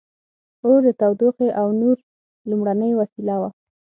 • اور د تودوخې او نور لومړنۍ وسیله وه.